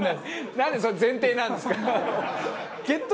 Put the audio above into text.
なんでその前提なんですか。